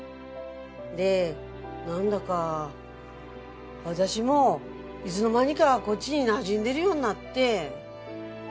でなんだか私もいづの間にかこっちになじんでるようになって。